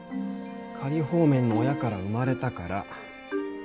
仮放免の親から生まれたから。